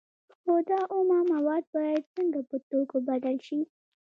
خو دا اومه مواد باید څنګه په توکو بدل شي